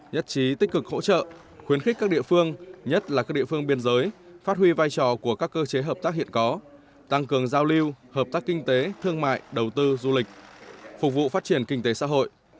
nhất trí tích cực hỗ trợ khuyến khích các địa phương nhất là các địa phương biên giới phát huy vai trò của các cơ chế hợp tác hiện có tăng cường giao lưu hợp tác kinh tế thương mại đầu tư du lịch phục vụ phát triển kinh tế xã hội